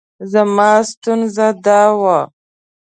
زما ستونزه دا وه.